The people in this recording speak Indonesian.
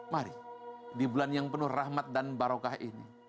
mari di bulan yang penuh rahmat dan barokah ini